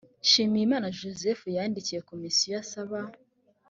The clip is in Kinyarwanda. nshimiyimana joseph yandikiye komisiyo asaba